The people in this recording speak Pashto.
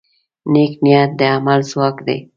نیک نیت د عمل ځواک دی.